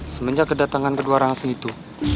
semenjak kedatangan kedua orang asli itu